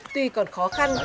tuy còn khó khăn